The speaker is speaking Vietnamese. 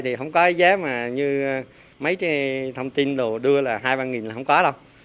thì không có giá như mấy thông tin đưa là hai ba là không có đâu